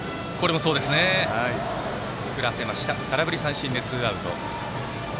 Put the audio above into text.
空振り三振でツーアウト。